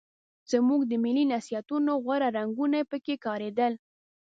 زموږ د ملي نصیحتونو غوره رنګونه به پکې ښکارېدل.